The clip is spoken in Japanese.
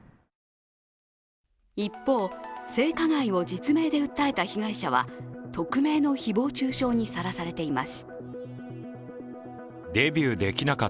一方、性加害を実名で訴えた被害者は匿名の誹謗中傷にさらされています。